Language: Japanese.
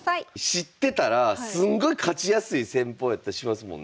知ってたらすんごい勝ちやすい戦法やったりしますもんね。